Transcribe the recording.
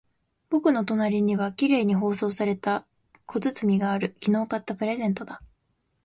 僕の隣には綺麗に包装された小包がある。昨日買ったプレゼントだ。